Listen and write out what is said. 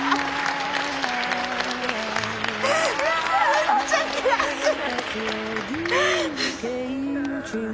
めっちゃ悔しい。